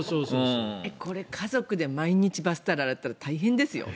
これ、家族で毎日バスタオル洗ったら大変ですよ。